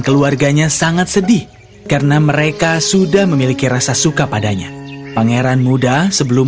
keluarganya sangat sedih karena mereka sudah memiliki rasa suka padanya pangeran muda sebelum